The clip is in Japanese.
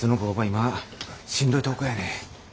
今しんどいとこやねん。